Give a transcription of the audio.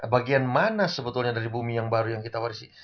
bagian mana sebetulnya dari bumi yang baru yang kita warisi